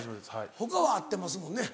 他は会ってますもんね。